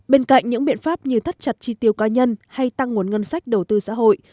bên cạnh những biện pháp như thắt chặt chi tiêu cá nhân hay tăng nguồn ngân sách đầu tư xã hội